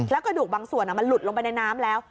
แล้วกระดูกบางส่วนมันหลุดลงไปในน้ำแล้ว